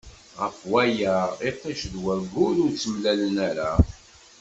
Ɣef waya itij d waggur ur ttemlalen ara.